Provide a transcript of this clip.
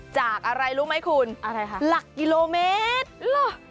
จากอะไรรู้ไหมคุณหลักกิโลเมตรหรือเปล่า